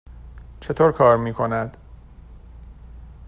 چطور کار می کند؟